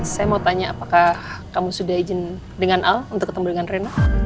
saya mau tanya apakah kamu sudah izin dengan al untuk ketemu dengan reno